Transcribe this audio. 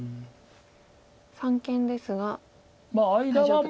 三間ですが大丈夫と。